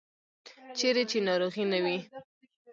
چیرې چې ناروغي نه وي.